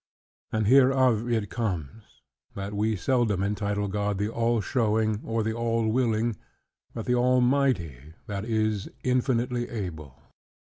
And hereof it comes, That we seldom entitle God the all showing, or the all willing, but the Almighty, that is, infinitely able.